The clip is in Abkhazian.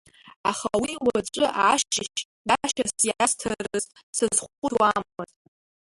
Аха уи уаҵәы ашьыжь гашьас иасҭарыз сазхәыцуамызт.